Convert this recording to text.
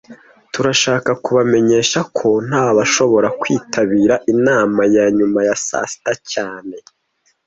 Turashaka kubamenyesha ko ntashobora kwitabira inama ya nyuma ya saa sita cyane